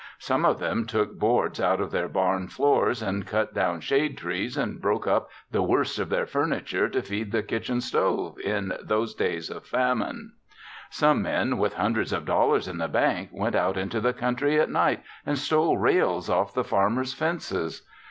Some of them took boards out of their barn floors and cut down shade trees and broke up the worst of their furniture to feed the kitchen stove in those days of famine. Some men with hundreds of dollars in the bank went out into the country at night and stole rails off the farmers' fences.